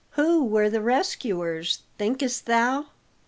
"Who were the rescuers, thinkest thou?"